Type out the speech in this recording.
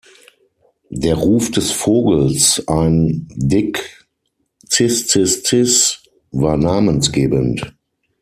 Der Ruf des Vogels, ein „dick-ciss-ciss-ciss“, war namensgebend.